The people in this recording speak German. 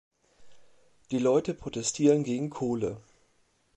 Die Leute protestieren gegen Kohle.